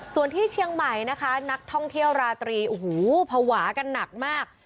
ส่วนที่เชียงใหม่นะคะนักท่องเที่ยวราตรีโอ้โหภาวะกันหนักมาก